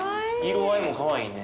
色合いもかわいいね。